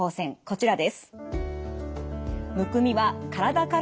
こちらです。